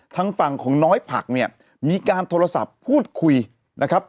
ทางฝั่งของน้อยผักเนี่ยมีการโทรศัพท์พูดคุยนะครับ